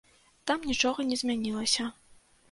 Там нічога не змянілася.